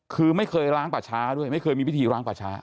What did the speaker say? คือไม่เคยล้างป่าช้าด้วยไม่เคยมีพิธีล้างป่าช้า